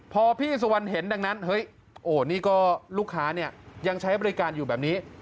พอพี่สุวรรณเห็นดังนั้นเฮ้ยโอ้นี่ก็ลูกค้าเนี่ยยังใช้บริการอยู่แบบนี้